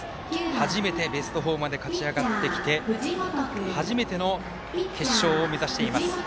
初めてベスト４まで勝ち上がってきて初めての決勝を目指しています。